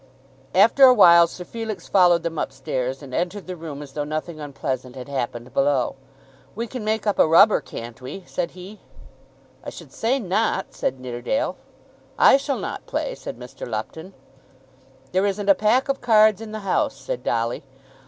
After a while Sir Felix followed them up stairs, and entered the room as though nothing unpleasant had happened below. "We can make up a rubber; can't we?" said he. "I should say not," said Nidderdale. "I shall not play," said Mr. Lupton. "There isn't a pack of cards in the house," said Dolly.